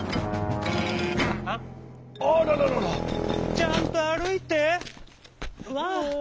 ・「ちゃんとあるいて！」。